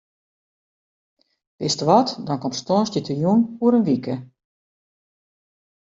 Wist wat, dan komst tongersdeitejûn oer in wike.